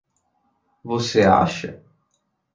Você acha?